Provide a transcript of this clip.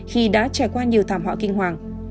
khi đã trải qua nhiều thảm họa kinh hoàng